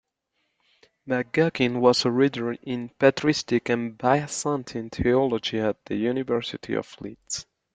McGuckin was a Reader in Patristic and Byzantine theology at the University of Leeds.